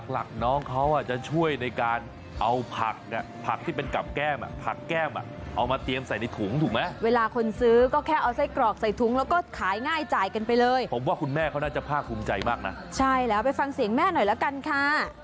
ผักที่เป็นกับแก้มอ่ะผักแก้มอ่ะเอามาเตรียมใส่ในถุงถูกไหมเวลาคนซื้อก็แค่เอาไส้กรอกใส่ถุงแล้วก็ขายง่ายจ่ายกันไปเลยผมว่าคุณแม่เขาน่าจะภาคภูมิใจมากนะใช่แล้วไปฟังเสียงแม่หน่อยละกันค่ะ